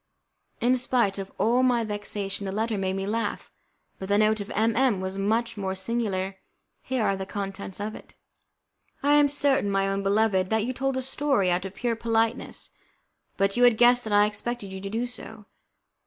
In spite of all my vexation, that letter made me laugh, but the note of M M was much more singular. Here are the contents of it: "I am certain, my own beloved, that you told a story out of pure politeness, but you had guessed that I expected you to do so.